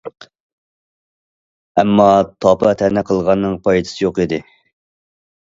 ئەمما تاپا- تەنە قىلغاننىڭ پايدىسى يوق ئىدى.